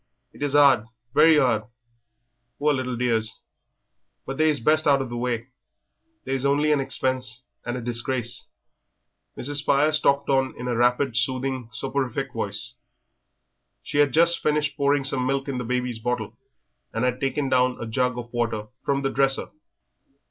It is 'ard, very 'ard, poor little dears, but they is best out of the way they is only an expense and a disgrace." Mrs. Spires talked on in a rapid, soothing, soporific voice. She had just finished pouring some milk in the baby's bottle and had taken down a jug of water from the dresser.